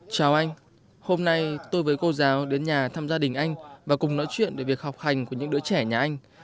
chào anh hôm nay tôi với cô giáo đến nhà thăm gia đình anh và cùng nói chuyện về việc học hành của những đứa trẻ nhà anh